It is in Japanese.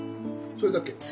それだけ。